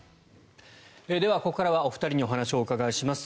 ここからはお二人にお話をお伺いします。